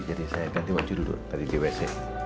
jadi saya ganti baju dulu tadi di wc